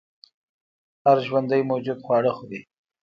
هر ژوندی موجود خواړه خوري